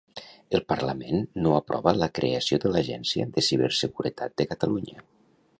El Parlament no aprova la creació de l'Agència de Ciberseguretat de Catalunya.